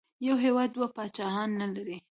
یو هېواد دوه پاچاهان نه لري.